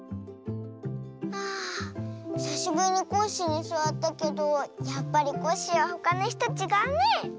あひさしぶりにコッシーにすわったけどやっぱりコッシーはほかのいすとちがうね。